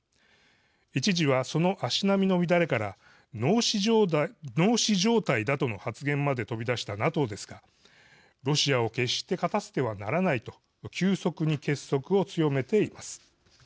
一時はその足並みの乱れから脳死状態だとの発言まで飛び出したＮＡＴＯですがロシアを決して勝たせてはならないと急速に結束を強めています。